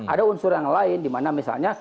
ada unsur yang lain dimana misalnya